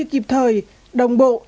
kịp thời đồng bộ